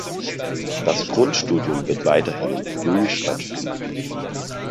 Das Grundstudium wird weiterhin in Brühl stattfinden.